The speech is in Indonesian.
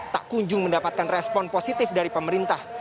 tak kunjung mendapatkan respon positif dari pemerintah